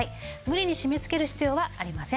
無理に締めつける必要はありません。